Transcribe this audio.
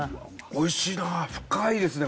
おいしいな深いですね